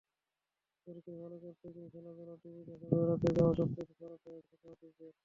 পরীক্ষায় ভালো করতে গিয়ে খেলাধুলা, টিভি দেখা, বেড়াতে যাওয়া—সবকিছু ছাড়তে হয়েছে ছাত্রছাত্রীদের।